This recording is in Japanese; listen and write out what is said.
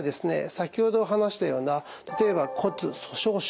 先ほど話したような例えば骨粗しょう症。